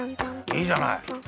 いいじゃない。